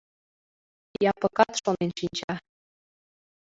Япыкат шонен шинча.